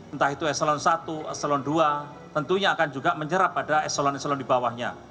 entah itu eselon satu eselon dua tentunya akan juga menyerap pada eselon eselon di bawahnya